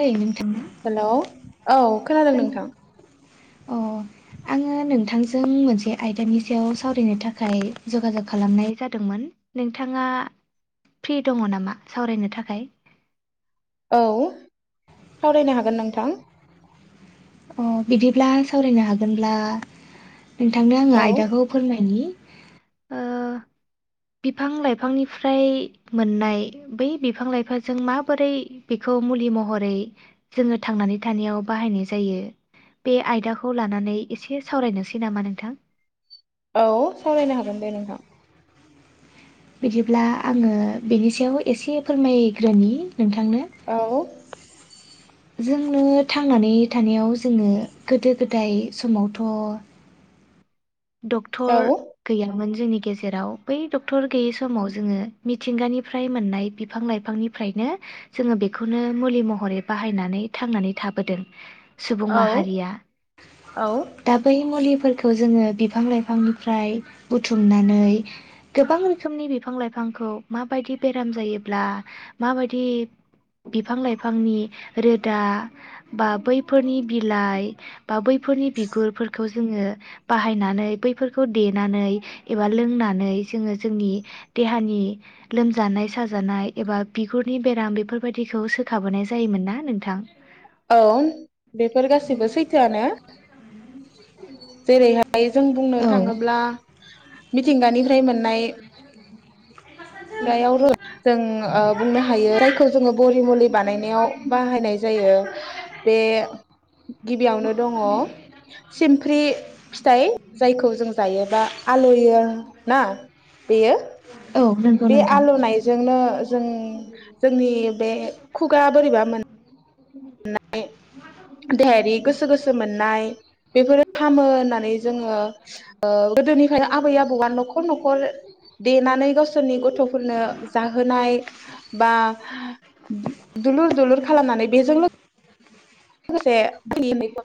ओइ नोंथां हेलौ औ खोनादों जों नोंथां। अ आङो नोंथांजों मोनसे आयदानि सायाव सावरायनो थाखाय जगाजग खालामनाय जादोंमोन नोंथाङा फ्रि दङ नामा सावरायनो थाखाय? औ सावरायनो हागोन नोंथां। अ बिदिब्ला सावरायनो हागोनब्ला नोंथांनो आङो औ आयदाखौ फोरमायनि ओ बिफां लाइफांनिफ्राय मोननाय बै बिफां लाइफाजों माबोरै बेखौ मुलि महरै जोङो थांनानै थानायाव बाहायनाय जायो बे आयदाखौ लानानै एसे सावरायनोसै नामा नोंथां औ सावरायनो हागोन दे नोंथां। बिदिब्ला आङो बेनि सायाव एसे फोरमायग्रोनि। नोंथांनो औ जोंनो थांनानै थानायाव जोङो गोदो गोदाय समावथ' औ डक्टर गैयामोन जोंनि गेजेराव बै डक्टर गैयै समाव जोङो मिथिंगानिफ्राय मोननाय बिफां लाइफांनिफ्रायनो जोङो बेखौनो मुलि महरै बाहायनानै थांनानै थाबोदों सुबुं औ माहारिया औ दा बै मुलिफोरखौ जोङो बिफां लाइफांनिफ्राय बुथुमनानै गोबां रोखोमनि बिफां लाइफांखौ माबायदि बेराम जायोब्ला माबायदि बिफां लाइफांनि रोदा बा बैफोरनि बिलाइ बा बैफोरनि बिगुरफोरखौ ज जोङो बाहायनानै बैफोरखौ देनानै एबा लोंनानै जोङो जोंनि देहानि लोमजानाय साजानाय एबा बिगुरनि बेराम बेफोरबायदिखौ सोखाबोनाय जायोमोन ना नोंथां। औ बेफोर गासिबो सैथोआनो जेरैहा य जों बुंनो औ थाङोब्ला मिथिंगानिफ्राय मोननाय गायाव [unintelligible] जों ओ बुंनो हायो जायखौ जोङो बरि मुलि बानायनायाव बाहायनाय जायो बे गिबियावनो दङ सिमफ्रि फिथाइ जायखौ जों जायोबा आलयो ना बेयो औ नंगौ बे नोंथां आलौनायजोंनो जों जोंनि बे खुगा बोरैबा मोन [unintelligible] देहायारि गोसो गोसो मोननाय बेफोरो हामो होननानै जोङो गोदोनिफ्रायनो आबै आबौआ न'खर न'खर देनानै गावसोरनि गथ'फोरनो जाहोनाय बा दुलुर दुलुर खालामनानै बेजोंनो [inaudible] लोगोसे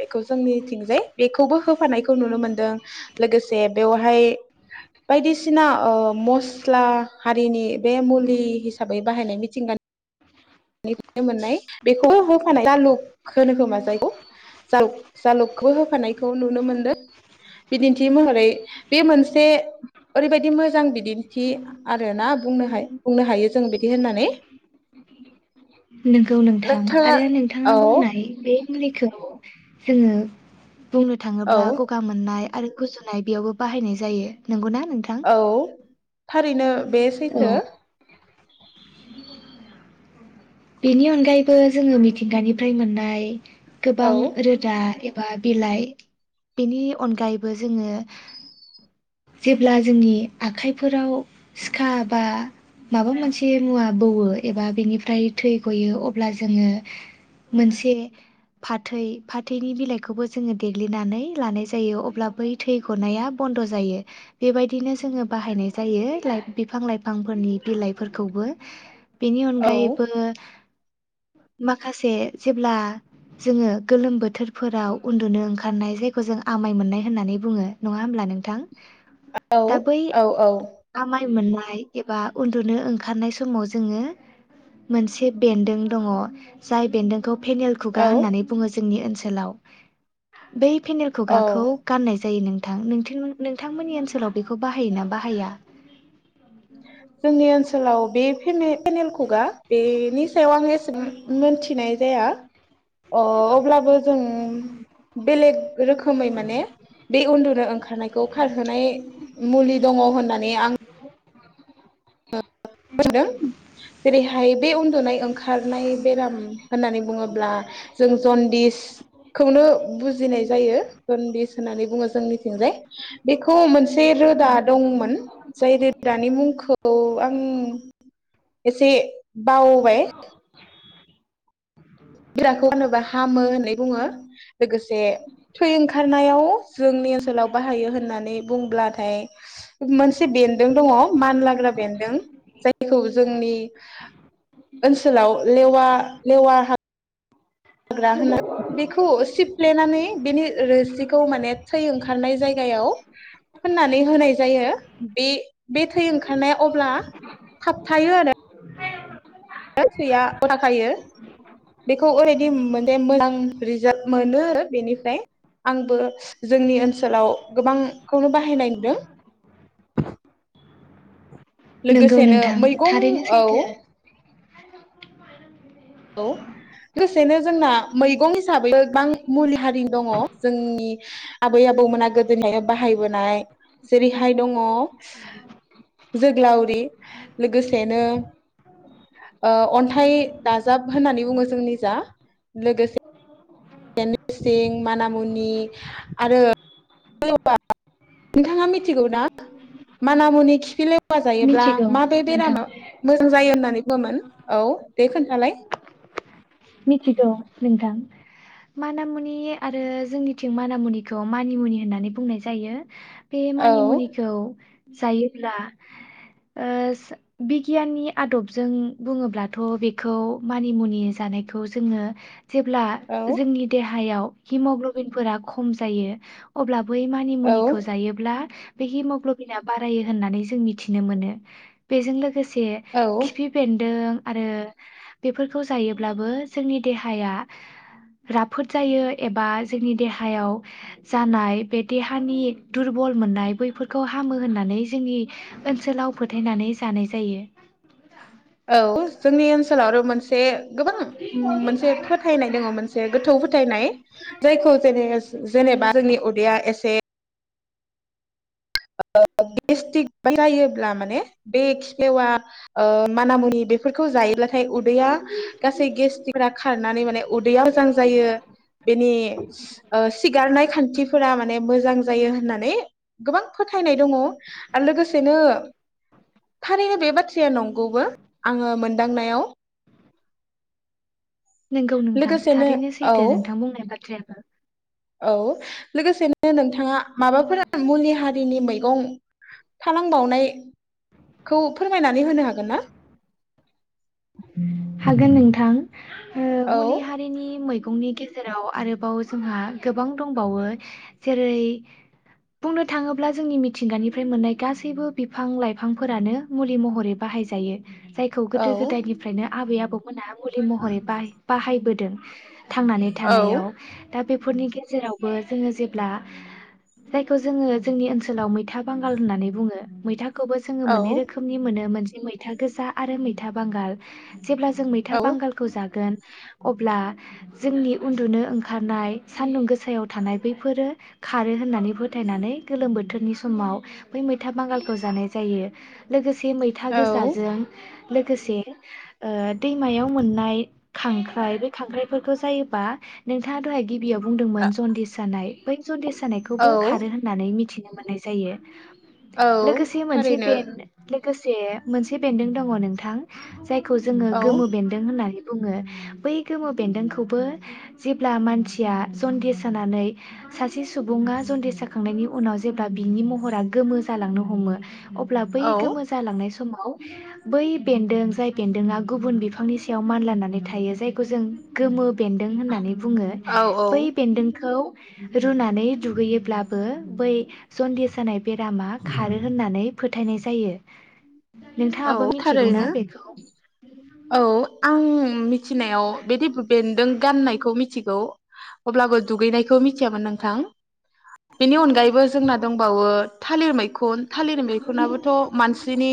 बेखौ जोंनिथिंजाय बेखौबो होफानायखौ नुनो मोनदों लोगोसे बेवहाय बायदिसिना ओ मस्ला हारिनि बे मुलि हिसाबै बाहायनाय मिथिंगानि फ्रायनो मोननाय बेखौ होफानाय जालुक होनो खोमा जायखौ जालु जालुकखौबो होफानायखौ नुनो मोनदों बिदिन्थि महरै बे मोनसे ओरैबायदि मोजां बिदिन्थि आरो ना बुं बुंनो हायो जों बिदि होननानै नोंगौ नोंथां नोंथाङा आरो नोंथाङा औ बुंनाय बे मुलिखौ जोङो बुंनो औ थाङोब्ला गगा मोननाय आरो गुजुनाय बेयावबो बाहायनाय जायो नंगौना? नोंथां? औ थारैनो नो‌ बे सैथो औ बेनि अनगायैबो जोङो मिथिंगानिफ्राय मोननाय गोबां औ रोदा बा बिलाइ बेनि अनगायैबो जोङो जेब्ला जोंनि आखाइफोराव सिखा बा माबा मोनसे मुवा बौवो एबा बेनिफ्राय थै गयो अब्ला जोङो मोनसे फाथै फाथैनि बिलाइखौबो जोङो देग्लिनानै लानाय जायो अब्ला बै थै गनाया बन्द' जायो बेबायदिनो जोङो बाहायनाय जायो बिफां लाइफांफोरनि बिलाइफोरखौबो बेनि औ अनगायैबो माखासे जेब्ला जोङो गोलोम बोथोरफोराव उन्दुनो ओंखारनाय जायखौ जों आमाय मोननाय होननानै बुङो नङा होमब्ला नों थां औ दा बै औ औ आमाय मोन एबा उन्दुनो ओंखारनाय समाव जोङो मोनसे बेन्दों दङ जाय बेन्दों खौ फेनेल खुगा औ होननानै बुङो जोंनि ओनसो सोलाव बे पेनेल औ खुगाखौ गाननाय जायो थां नोंथांमोननि ओनसोलाव बेखौ बाहायोना बाहाया? जोंनि ओनसोलाव बे फे-फेनेल खुगा बेनि सायाव आं एसे मोनथिनाय जाया अ अब्लाबो जों बेलेग रोखोमै माने बे उन्दुनो ओंखारनायखौ खारहोनाय मुलि दङ होननानै आं [unintelligible] [unintelligible] जेरैहाय बे उ ओनाय ओंखारनाय बेराम होननानै बुङोब्ला जों जनदिस खौनो बुजिनाय जायो जनदिस होननानै बुङो जोंनि जाय बेखौ मोनसे रोदा दंमोन जाय रोदानि मुंखौ औ आं एसे बावबाय बि [unintelligible] खौ होनोबा हामो होननानै बुङो। लोगोसे थै ओंखारनायाव जोंनि ओनसोलाव बाहायो होननानै बुंब्लाथाय मोनसे बेदों दङ मानलाग्रा बेन्दों जायखौ जोंनि ओनसोलाव लेवा लेवा हा हाग्रा होननानै बेखौ सिफ्लेनानै बेनि रोसिखौ माने थै ओंखारनाय जायो गायाव फोनानै होनाय जायो बे बे थै ओंखारनाया अब्ला थाबथायो आरो सैया थाखायो बेखौ ओरैदि मोने मोजां रिजाल्ट मोनो आरो बेनिफ्राय आंबो जोंनि ओनसोलाव गोबां खौनो बाहायनाय नुदों नोंगौ लोगोसेनो नोंथां मैगं थारैनो औ सैथो औ लोगोसेनो जोंना मैगं हिसाबै गोबां मुलि हारि दङ जोंनि आबै आबौमोना गोदोनिफाय बाहायबोनाय जेरैहाय दङ जोगलावरि लोगोसेनो ओ अन्थाइ दाजाब होननानै बुङो जोंनिजा लोगोसे नोरसिं मानामुनि [unintelligible] आरो नोंथाङा मिथिगौ ना मानामुनि खिफिले लेवा जायोब्ला मिथिगौ माबे नोंथां बेरामा मोजां जायो होननानै मोन औ दे खोन्थालाय मिथिगौ नोंथां मानामुनि आरो जोंनिथिं मानामुनिखौ मानिमुनि होननानै बुंनाय जायो बे औ मानिमुनिखौ जायोब्ला बिगियाननि आदबजों बुङोब्लाथ' बेखौ मानि मुनि जानाय बेखौ जोङो जेब्ला औ जोंनि देहायाव हिमग्ल'बिनफोरा खम जायो अब्ला बै औ मानिमुनिखौ जायोब्ला बे हिमग्ल'बिना बारायो होननानै जों मिथिनो मोनो बेजों लोगोसे से औ खिफि बेन्दों आरो बेफोरखौ जायोब्लाबो जोंनि देहाया राफोद जायो एबा जोंनि देहायाव जानाय बे देहानि दुरबल मोननाय बैफोरखौ हामो होननानै जोंनि ओनसोलाव फोथायनानै जानाय जायो औ जोंनि ओनसोलाव आरो मोनसे गोबां मोनसे फोथायनाय दङ मोनसे गोथौ फोथायनाय जायखौ जेने जेनेबा जोंनि उदैया एसे [unintelligible] गेस्टिक जायोब्ला माने बे खि [unintelligible] फिलेवा माननिमुनि बेफोरखौ जायोब्ला उदैआ गेसफोरा खारनानै माने उदैया मोजां जायो बेनि सिगारनाय खान्थिफोरा माने मोजां जायो होननानै गोबां फोथायनाय दङ आरो लोगोसेनो थारैनो बे बाथ्राया नंगौबो आङो मोनदांनायाव नोंगौ नोंथां लोगोसेनो थारैनो औ सैथो नोंथां बुंनाय बाथ्रायाबो औ लोगोसेनो नोंथाङा माबाफोर मुलि हारिनि मैगं थानांबावनायखौ फोरमायनानै होनो हागोन न? हागोन नोंथां। हो औ मुलि हारिनि मै बिनि गेजेराव आरोबाव जोंहा गोबां दंबावो जेरै बुंनो थाङोब्ला जोंनि मिथिंगानिफ्राय मोननाय गासैबो बिफां लाइफांफोरानो मुलि महरै बाहायजायो। जायखौ औ गोदो गोदायनिफ्रायनो आबै आबौ मोना मुलि महरै बाहाय बाहायबोदों। थांनानै औ थानायाव दा बेफोरनि गेजेरावबो जोङो जेब्ला जायखौ जोङो जोंनि ओनसोलाव मैथा बांगाल होननानै बुङो मैथा खौबो जोङो औ मोननै रोखोमनि मोनो मोन। मैथा गोजा आरो मै मैथा बांगाल जेब्ला जों मैथा औ बांगालखौ जागोन अब्ला जोंनि उन्दुनो ओंखारनाय सान्दुं गोसायाव थानाय बैफोरो खारो होननानै फोथायनानै गोलोम बोथोरनि समाव बै मैथा बांगालखौ जानाय जायो लोगोसे से मैथा गोजाजों लोगोसे ओ दैमायाव मोननाय खांख्राइ बे खांख्राइफोरखौ जायोबा नोंथाङा दहाय गिबियाव बुंदोंमोन जन्दिस जानाय बै जन्दिस जानायखौबो औ खारो होननानै मिथिनो मोननाय जायो। औ लोगोसे मोनसे थारैनो बेन लोगोसे मोनसे बेन्दों दङ नोंथां थां जाय खौ जोङो औ गोमो बेन्दों होननानै बुङो बै गोमो बेन्दोंखौबो जेब्ला मानसिया जन्दिस जानानै सासे सुबुङा जन्दिस जाखांनायनि उनाव जेब्ला बिनि महरा गोमो जालांनो हमो। अब्ला बै औ गोमो जालांनाय सम माव बै बेन्दों जाय बेन्दोंआ गुबुन बिफांनि सायाव मानलानानै थायो जायखौ जों गोमो बेन्दों होननानै बुङो औ औ बै बेन्दोंखौ रुनानै दुगैयोब्लाबो बै जन्दिस जानाय बेरामा खारो होननानै फोथायनाय जायो नोंथाङाबो औ मि थारैनो औ आं उम। उम मिथिनायाव बिदि बेन्दों गाननायखौ मिथिगौ अब्लाबो दुगैनायखौ मिथियामोन नोंथां बेनि अनगायैबो जोंना दंबावो थालिर मै खुन थालिर मैखुनाबोथ मानसिनि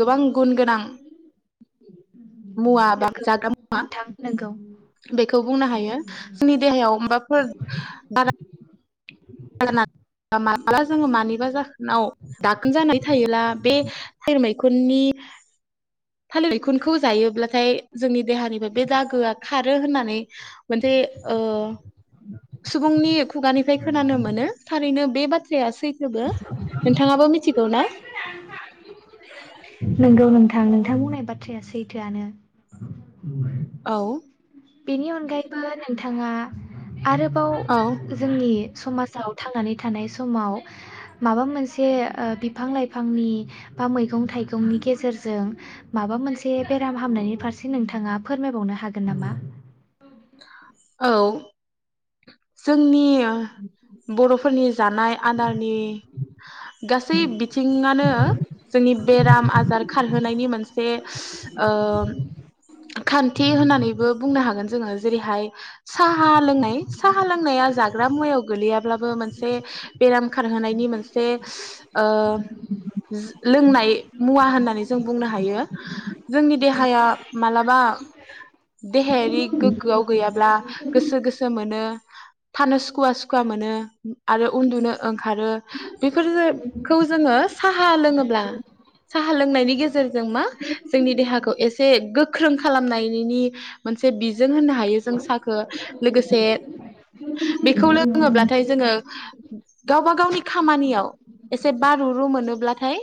गोबां गुन गोनां। मुवा बा नोंगौ जाग्रा मुवा नोंथां नोंगौ बेखौ बुंनो हायो जोंनि देहायाव माबाफोर बारा मालाबा जोङो मानिबा जाहोनाव दाखोन जानाय थायोब्ला बे थालिर मैखुननि थालिर मैखुनखौ जायोब्लाथाय जोंनि देहानिफ्राय बे दागोआ खारो होननानै मोनसे ओ सुबुंनि खुगानिफ्राय खोनानो मोन नों थारैनो बे बाथ थ्राया सैथोबो नोंथाङाबो मिथिगौ ना नोंगौ नोंथां नोंथां बुंनाय बाथ्राया सैथोआनो औ बेनि अनगायैबो नोंथाङा आरोबाव औ जोंनि समाजाव थांनानै थानाय समाव माबा मोनसे ओ बिफां लाइफांनि बा मैगं थाइगंनि गेजेरजों माबा मोनसे बेराम हामनायनि फारसे नोंथाङा फोरमायबावनो हागोन नामा? औ जोंनि बर'फोरनि जानाय आदारनि गासै बिथिङानो जोंनि बेराम आजार खारहोनायनि मोनसे ओ खान्थि होननानैबो बुंनो हागोन जोङो जेरैहाय साहा लोंनाय साहा लोंनाया जाग्रा मुवायाव गोलैयाब्लाबो मोनसे बेराम खारहोनायनि मोनसे ओ लोंनाय मुवा होननानै जों बुंनो हायो जोंनि देहाया मालाबा देहायारि गोग्गोआव गैयाब्ला गोसो गोसो मोनो थानो सुख सुखुवा सुवा मोनो आरो उन्दुनो ओंखारो बेबोरखौ जोङो साहा लोब्ला साहा लोंनायनि गेजेरजों जों मा जोंनि देहाखौ एसे गोग ख्रों खालामनायनि मोनसे बि हायो जों साहखौ लोगोसे बेखौ लोङोब्लाथाय जोङो गावबा गावनि खामानियाव एसे बारु रु मोनोब्लाथाय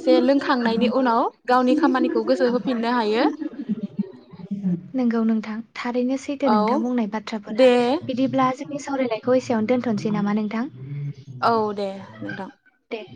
एसे लोंखांनायनि उनाव गावनि खामानिखौ गोसो होफिननो हायो नोंगौ नोंथां थारैनो सैदो औ नोंथां बुंनाय बाथ्राफोरा दे बिदिब्ला जोंनि सावरायनायखौ एसेयाव दोनथ'सै नामा नोंथां औ दे नोंथां। दे